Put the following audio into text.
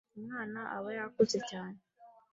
Umwana aba yakuze cyane